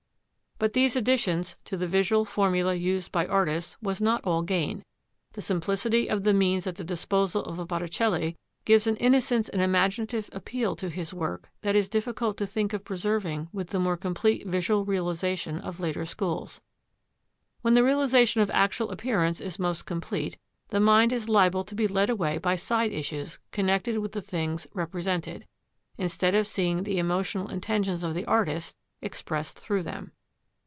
But these additions to the visual formula used by artists was not all gain; the simplicity of the means at the disposal of a Botticelli gives an innocence and imaginative appeal to his work that it is difficult to think of preserving with the more complete visual realisation of later schools. When the realisation of actual appearance is most complete, the mind is liable to be led away by side issues connected with the things represented, instead of seeing the emotional intentions of the artist expressed through them.